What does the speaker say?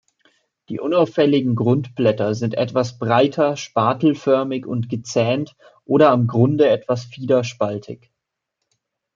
Die unauffälligen Grundblätter sind etwas breiter spatelförmig und gezähnt oder am Grunde etwas fiederspaltig.